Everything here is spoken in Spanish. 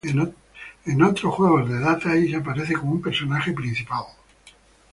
En otros juegos de Data East, aparece como un personaje principal.